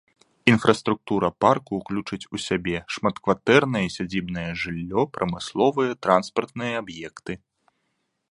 Інфраструктура парку ўключыць у сябе шматкватэрнае і сядзібнае жыллё, прамысловыя, транспартныя аб'екты.